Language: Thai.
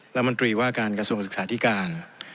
รัฐมนตรีว่าการกระทรวงศึกษาธิการ